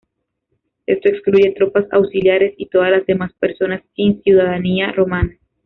Esto excluye tropas auxiliares y todas las demás personas sin ciudadanía romana.